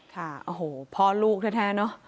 ค่ะโอ้โหพ่อลูกแท้เนอะ